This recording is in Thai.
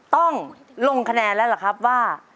ต้องลงคะแนนแล้วล่ะครับว่า